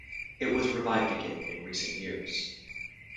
It was revived again in recent years.